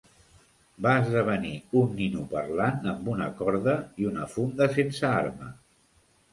Va esdevenir un nino parlant amb una corda i una funda sense arma.